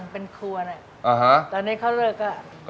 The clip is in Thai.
เป็นครัวแหละตอนนี้เขาเลิกก็